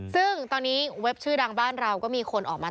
ซึ่งตอนนี้เว็บชื่อดังบ้านเราก็มีคนออกมา